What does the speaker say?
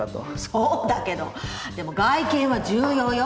そうだけどでも外見は重要よ。